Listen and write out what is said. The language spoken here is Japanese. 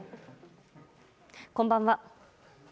こんばんは。